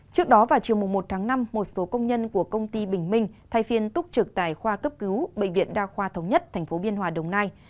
trước đó vào chiều một tháng năm một số công nhân của công ty bình minh thay phiên túc trực tại khoa cấp cứu bệnh viện đa khoa thống nhất tp biên hòa đồng nai